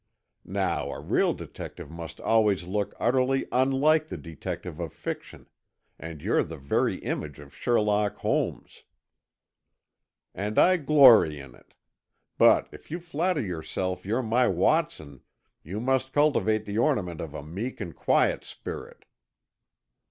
Now, a real detective must always look utterly unlike the detective of fiction, and you're the very image of Sherlock Holmes." "And I glory in it. But if you flatter yourself you're my Watson, you must cultivate the ornament of a meek and quiet spirit."